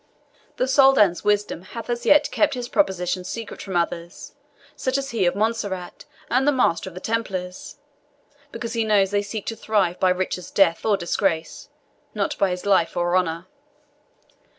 The Soldan's wisdom hath as yet kept his proposition secret from others, such as he of Montserrat, and the Master of the Templars, because he knows they seek to thrive by Richard's death or disgrace, not by his life or honour.